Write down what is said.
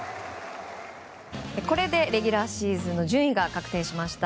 これでレギュラシーズンの順位が確定しました。